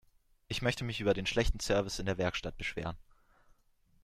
Ich möchte mich über den schlechten Service in der Werkstatt beschweren.